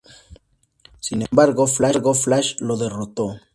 Sin embargo Flash lo derrotó.